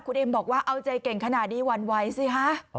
คุณเอ็มบอกว่าเอาใจเก่งขนาดนี้หวั่นไหวสิฮะ